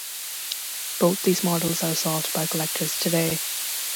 Both these models are sought by collectors today.